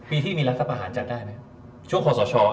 พี่ที่มีลักษณะประหารจัดได้ไหมช่วงคนสอชอ